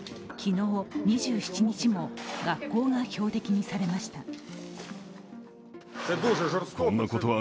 昨日２７日も学校が標的にされました。